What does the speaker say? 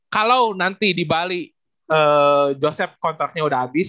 kalau nanti di bali joseph kontraknya sudah habis